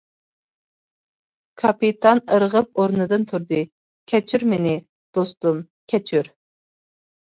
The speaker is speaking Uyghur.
كاپىتان ئىرغىپ ئورنىدىن تۇردى: كەچۈر مېنى، دوستۇم، كەچۈر!